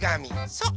そう！